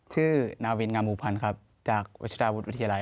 ชื่อนาวินงามูภัณฑ์ครับอิจราวุธิไทย